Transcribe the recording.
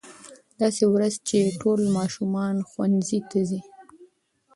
داسې ورځ چې ټول ماشومان ښوونځي ته ځي.